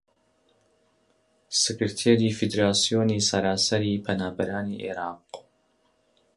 سکرتێری فیدراسیۆنی سەراسەریی پەنابەرانی عێراق